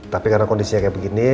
tapi karena kondisinya kayak begini